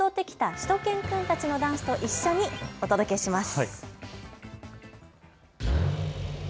しゅと犬くんたちのダンスと一緒にお届けします。